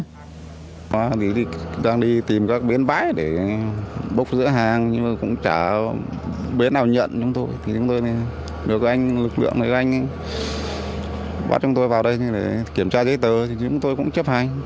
hải dương bắt chúng tôi vào đây để kiểm tra giấy tờ thì chúng tôi cũng chấp hành